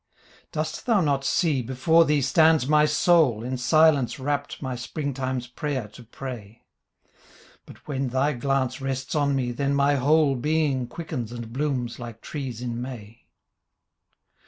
Dost thou not see, before thee stands my soul In silence wrapt my Springtime's prayer to pray? But when thy glance rests on me then my whole Being quickens and blooms like trees in May.